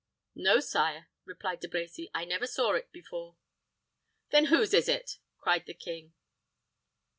"No, sire," replied De Brecy; "I never saw it before." "Then whose is it?" cried the king.